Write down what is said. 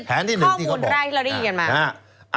อันนี้คือข้อมูลรายที่เราได้ยินกันมา